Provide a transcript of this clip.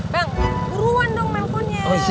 bang buruan dong mempunyai